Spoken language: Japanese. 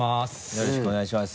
よろしくお願いします。